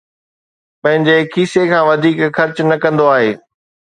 پنهنجي کيسي کان وڌيڪ خرچ نه ڪندو آهي